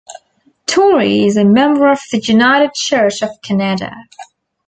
Tory is a member of the United Church of Canada.